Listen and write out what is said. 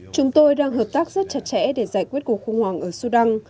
chúng tôi đang hợp tác rất chặt chẽ để giải quyết cuộc khủng hoảng ở sudan